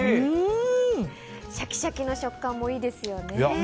シャキシャキな食感もいいですよね。